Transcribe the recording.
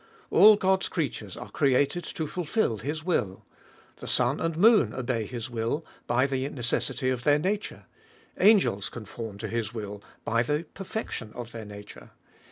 All God's creatures are created to fulfil his will ; the sun and moon obey his will, by the necessity of their nature : angels conform to his will by the perfec tion of their nature.